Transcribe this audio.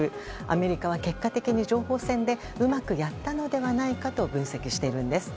アメリカは結果的に情報戦でうまくやったのではないかと分析しているんです。